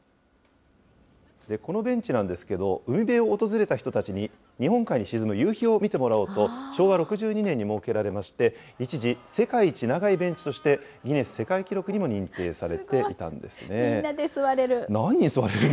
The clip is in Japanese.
このベンチなんですけど、海辺を訪れた人たちに日本海に沈む夕日を見てもらおうと、昭和６２年に設けられまして、一時、世界一長いベンチとしてギネス世界記録にも認定されていたんですすごい、みんなで座れる。